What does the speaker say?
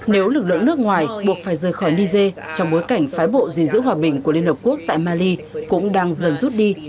nếu lực lượng nước ngoài buộc phải rời khỏi niger trong bối cảnh phái bộ gìn giữ hòa bình của liên hợp quốc tại mali cũng đang dần rút đi